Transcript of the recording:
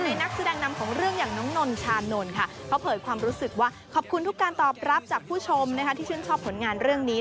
นักแสดงนำของเรื่องอย่างน้องนนชานนท์ค่ะเขาเผยความรู้สึกว่าขอบคุณทุกการตอบรับจากผู้ชมนะคะที่ชื่นชอบผลงานเรื่องนี้